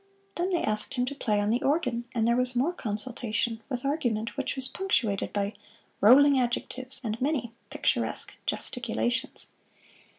Then they asked him to play on the organ, and there was more consultation, with argument which was punctuated by rolling adjectives and many picturesque gesticulations.